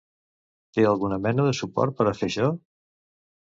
Té alguna mena de suport per fer això?